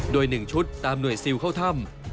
โดย๑ชุดตามหน่วยซิลเข้าถ้ำ